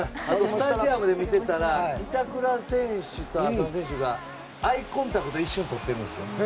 スタジアムで見ていたら板倉選手と浅野選手がアイコンタクト一瞬とってるんですよ。